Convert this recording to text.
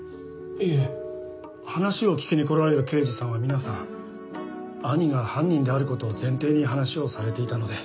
いえ話を聞きに来られる刑事さんは皆さん兄が犯人である事を前提に話をされていたので。